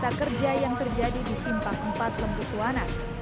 dan minta kerja yang terjadi di simpang empat lembu suwana